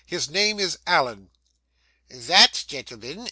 His name is Allen.' '_That _gentleman?